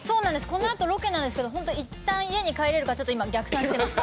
このあとロケなんですけど、いったん家に帰れるかちょっと今、逆算しています。